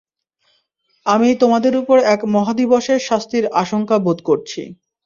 আমি তোমাদের উপর এক মহাদিবসের শাস্তির আশংকা বোধ করছি।